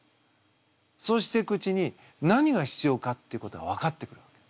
そうしていくうちに何が必要かっていうことが分かってくるわけ。